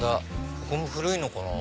ここも古いのかな。